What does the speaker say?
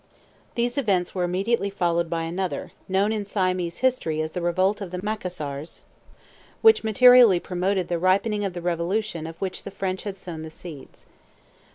These events were immediately followed by another, known in Siamese history as the Revolt of the Macassars, which materially promoted the ripening of the revolution of which the French had sown the seeds.